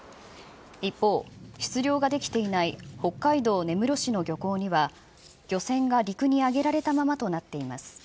一方、出漁ができていない北海道根室市の漁港には、漁船が陸に上げられたままとなっています。